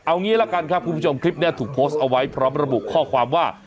เอางี้ละกันครับคุณผู้ชมคลิปนี้ถูกโพสต์เอาไว้พร้อมระบุข้อความว่า